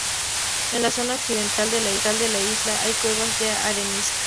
En la zona occidental de la isla hay cuevas de arenisca.